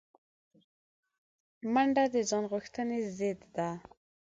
منډه د ځان غوښتنې ضد ده